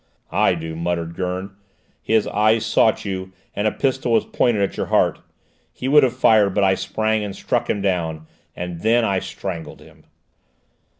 "I do," muttered Gurn. "His eyes sought you, and a pistol was pointed at your heart! He would have fired, but I sprang and struck him down! And then I strangled him!"